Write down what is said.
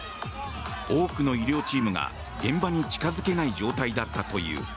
多くの医療チームが現場に近付けない状態だったという。